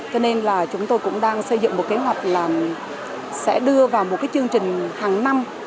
cho nên là chúng tôi cũng đang xây dựng một kế hoạch là sẽ đưa vào một cái chương trình hàng năm